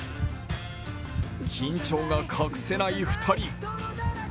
緊張が隠せない２人。